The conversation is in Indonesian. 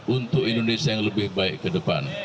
untuk indonesia yang lebih baik ke depan